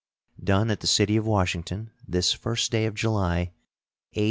[SEAL.] Done at the city of Washington, this 1st day of July, A.